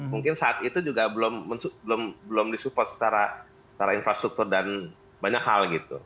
mungkin saat itu juga belum disupport secara infrastruktur dan banyak hal gitu